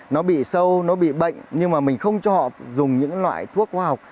nó bị sâu nó bị bệnh nhưng mà mình không cho họ dùng những loại thuốc hóa học